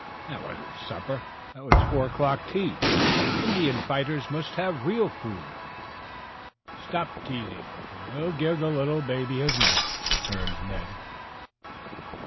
"That wasn't supper, that was four o'clock tea. Indian fighters must have real food." "Stop teasing. We'll give the 'ittle baby his milk," returned Ned.